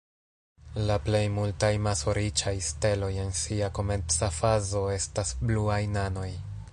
La plej multaj maso-riĉaj steloj en sia komenca fazo estas bluaj nanoj.